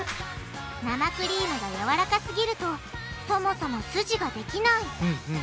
生クリームがやわらかすぎるとそもそもすじができないうんうん。